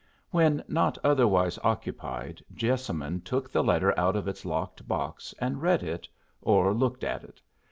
When not otherwise occupied Jessamine took the letter out of its locked box and read it, or looked at it.